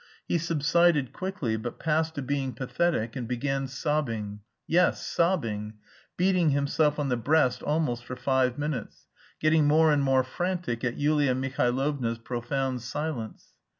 He subsided quickly, but passed to being pathetic and began sobbing (yes, sobbing!), beating himself on the breast almost for five minutes, getting more and more frantic at Yulia Mihailovna's profound silence.